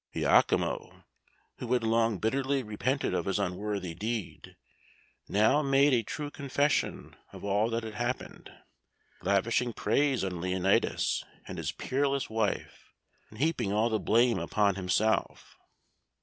Iachimo, who had long bitterly repented of his unworthy deed, now made a true confession of all that had happened, lavishing praise on Leonatus and his peerless wife, and heaping all the blame upon himself.